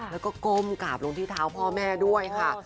แล้วก็ก้มกราบลงที่เท้าพ่อแม่ด้วยค่ะ